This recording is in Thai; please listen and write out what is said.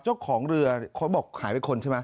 เจ้าของเรือเขาบอกหายไปคนใช่ไหม